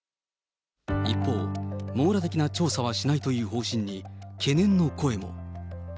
一方、網羅的な調査はしないという方針に懸念の声も。